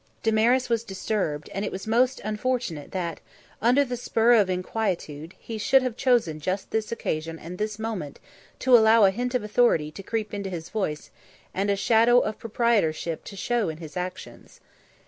Damaris was disturbed, and it was most unfortunate that, under the spur of inquietude, he should have chosen just this occasion and this moment to allow a hint of authority to creep into his voice and a shadow of proprietorship to show in his actions.